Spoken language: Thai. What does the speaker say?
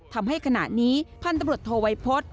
ทำให้ขณะนี้พันธุบริจน์โทวัยพจน์